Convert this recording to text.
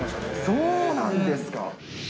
そうなんですか。